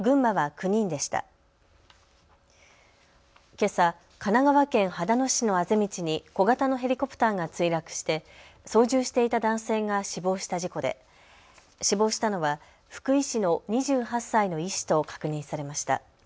けさ神奈川県秦野市のあぜ道に小型のヘリコプターが墜落して操縦していた男性が死亡した事故で死亡したのは福井市の２８歳の医師と確認されました。